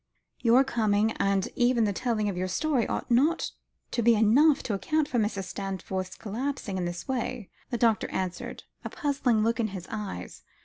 "Your coming, and even the telling of your story, ought not to be enough to account for Mrs. Stanforth's collapsing in this way," the doctor answered, a puzzled look in his eyes.